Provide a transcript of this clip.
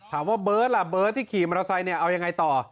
ถามว่าเบิร์ดล่ะเบิร์ดที่ขี่มรสัยเนี่ยเอายังไงต่อ